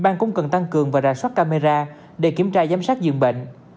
bàn cũng cần tăng cường và ra soát camera để kiểm tra giám sát dường bệnh